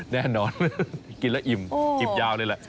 แน่นอนกินแล้วอิ่มอิ่มยาวเลยแหละ